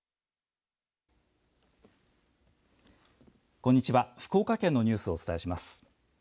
こんにちは、福岡県のニュースをお伝えします。